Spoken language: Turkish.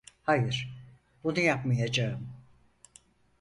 Hayır, bunu yapmayacağım.